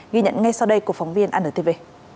ghi nhận ngay sau đây của phóng viên anntv